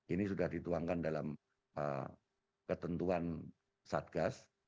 ini sudah dituangkan dalam ketentuan satgas